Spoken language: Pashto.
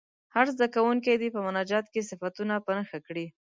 هر زده کوونکی دې په مناجات کې صفتونه په نښه کړي.